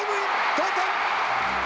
同点！